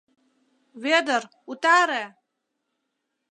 Вӧдыр, утаре!